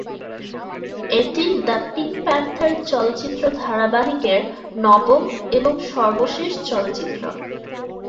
এটি "the pink panther" চলচ্চিত্র ধারাবাহিকের নবম এবং সর্বশেষ চলচ্চিত্র।